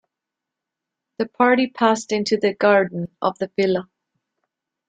The party passed into the garden of the villa.